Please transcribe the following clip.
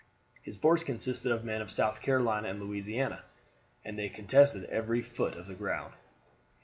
His force consisted of men of South Carolina and Louisiana, and they contested every foot of the ground.